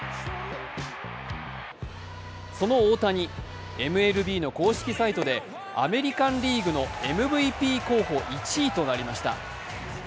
その大谷、ＭＬＢの公式サイトでアメリカン・リーグのＭＶＰ候補１位となりました。